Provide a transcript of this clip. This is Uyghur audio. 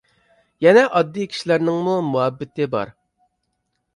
يەنە ئاددىي كىشىلەرنىڭمۇ مۇھەببىتى بار.